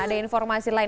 ada informasi lain